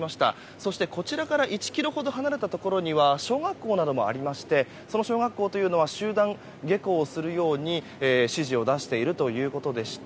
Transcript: そして、こちらから１ｋｍほど離れたところには小学校などもありましてその小学校というのは集団下校をするように指示を出しているということでした。